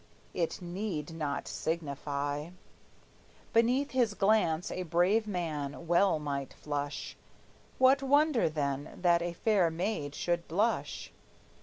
It need not signify: Beneath his glance a brave man well might flush; What wonder then that a fair maid should blush?